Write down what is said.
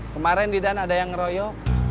kemarin di dan ada yang ngeroyok